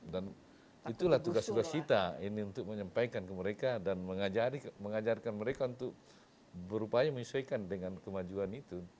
dan itulah tugas tugas kita ini untuk menyampaikan ke mereka dan mengajarkan mereka untuk berupaya menyesuaikan dengan kemajuan itu